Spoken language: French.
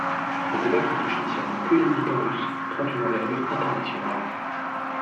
Le débat qui ne touche initialement que les militants russes, prend une envergure internationale.